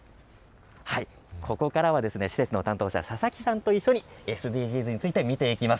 ここからは施設の担当者、佐々木さんと一緒にＳＤＧｓについて見ていきます。